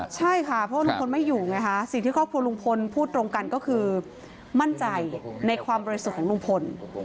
ใช่ค่ะเพราะว่าลุงพลไม่อยู่ไงคะสิ่งที่ครอบครัวลุงพลพูดตรงกันก็คือมั่นใจในความบริสุทธิ์ของลุงพล